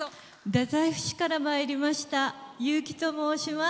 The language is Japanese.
太宰府市からまいりましたゆうきと申します。